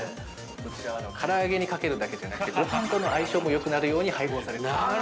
◆こちらは、から揚げにかけるだけじゃなくてごはんとの相性もよくなるように配合されています。